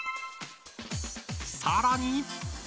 さらに。